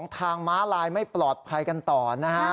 ทางม้าลายไม่ปลอดภัยกันต่อนะฮะ